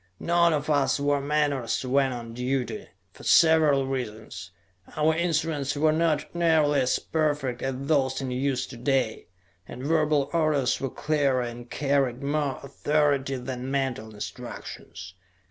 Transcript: None of us wore menores when on duty, for several reasons. Our instruments were not nearly as perfect as those in use to day, and verbal orders were clearer and carried more authority than mental instructions.